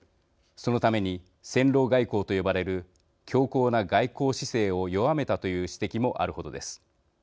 そのために「戦狼外交」と呼ばれる強硬な外交姿勢を弱めたという指摘もある程です。